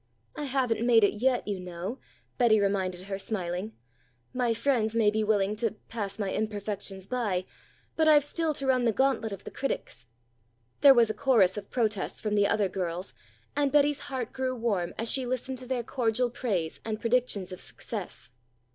"I haven't made it yet, you know," Betty reminded her smiling. "My friends may be willing to 'pass my imperfections by,' but I've still to run the gauntlet of the critics." There was a chorus of protests from the other girls, and Betty's heart grew warm as she listened to their cordial praise and predictions of success.